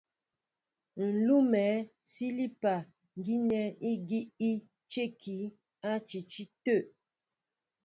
Ǹ lʉ́mɛ sílípá gínɛ́ ígi í cə́kí á ǹtiti tə̂.